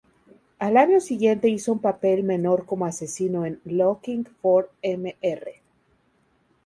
Al año siguiente hizo un papel menor como asesino en "Looking for Mr.